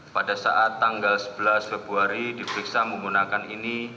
pada saat tanggal sebelas februari diperiksa menggunakan ini